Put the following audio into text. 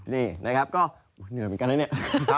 นี่นะครับก็เหนื่อยเหมือนกันนะเนี่ย